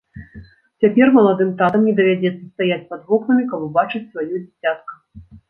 Цяпер маладым татам не давядзецца стаяць пад вокнамі, каб убачыць сваё дзіцятка.